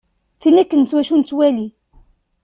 Tin akken s wacu i nettwali.